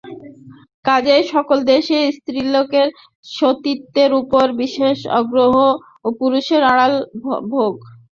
কাজেই সকল দেশে স্ত্রীলোকের সতীত্বের উপর বিশেষ আগ্রহ, পুরুষের বাড়ার ভাগ।